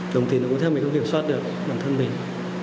đồng tiền cũng theo mình không kiểm soát được bản thân mình